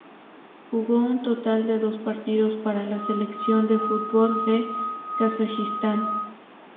Jugó un total de dos partidos para la selección de fútbol de Kazajistán.